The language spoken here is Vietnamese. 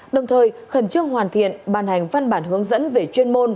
đồng thời khẩn trương hoàn thiện ban hành văn bản hướng dẫn về chuyên môn